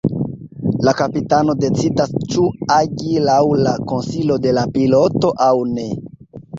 La kapitano decidas ĉu agi laŭ la konsilo de la piloto aŭ ne.